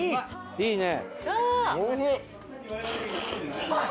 いいね！